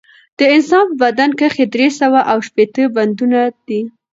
د انسان په بدن کښي درې سوه او شپېته بندونه دي